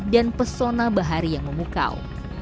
dan pesona bahari yang memukau